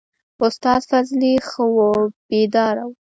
استاد فضلي ښه وو بیداره و.